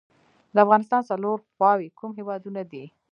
د افغانستان څلور خواوې کوم هیوادونه دي؟